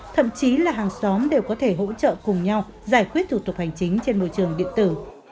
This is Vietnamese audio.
thậm chí là hàng xóm đều có thể hỗ trợ cùng nhau giải quyết thủ tục hành chính trên môi trường điện tử